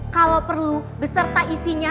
kalo perlu beserta isinya